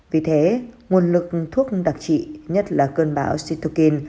vì thế nguồn lực thuốc đặc trị nhất là cơn bão situkin